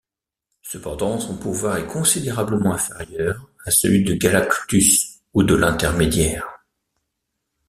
Cependant, son pouvoir est considérablement inférieur à celui de Galactus ou de l'Intermédiaire.